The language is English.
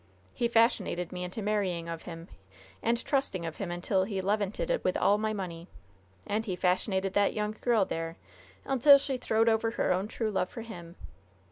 He fashionated me into marrying of him and trusting of him until he levanted with all my money! And he fashionated that young girl there until she throwed over her own true love for him!